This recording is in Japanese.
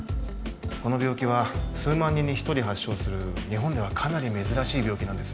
この病気は数万人に一人発症する日本ではかなり珍しい病気なんです